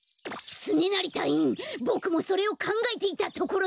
つねなりたいいんボクもそれをかんがえていたところだ！